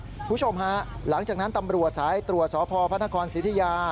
คุณผู้ชมฮะหลังจากนั้นตำรวจสายตรวจสพพระนครสิทธิยา